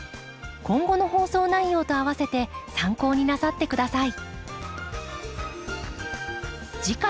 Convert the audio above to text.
今後の放送内容とあわせて参考になさって下さい。